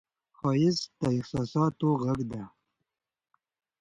ښایست د احساساتو غږ دی